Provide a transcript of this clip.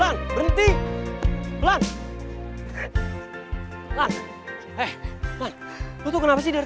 gue tau lo itu gak pernah serius man